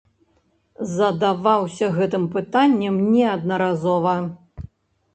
Задаваўся гэтым пытаннем неаднаразова.